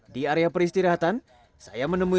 di area peristirahatan saya menemui sejumlah truk yang berbeda